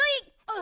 あ。